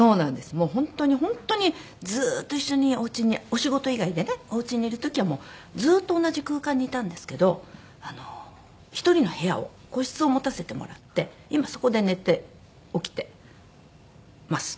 もう本当に本当にずっと一緒におうちにお仕事以外でねおうちにいる時はもうずっと同じ空間にいたんですけど１人の部屋を個室を持たせてもらって今そこで寝て起きてます。